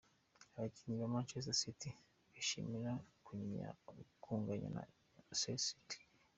Abakinnyi ba Manchester City bishimira kunganya na Celtic.